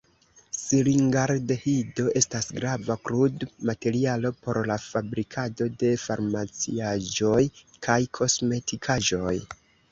Siringaldehido estas grava krudmaterialo por la fabrikado de farmaciaĵoj kaj kosmetikaĵoj.